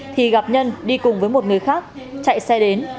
thì gặp nhân đi cùng với một người khác chạy xe đến